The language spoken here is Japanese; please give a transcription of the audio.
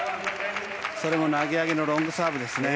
それも投げ上げのロングサーブですね。